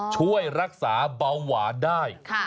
ช่วยรักษาเบาหวานได้